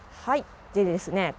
はいでですね